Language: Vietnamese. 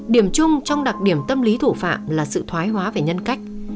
điểm chung trong đặc điểm tâm lý thủ phạm là sự thoái hóa về nhân cách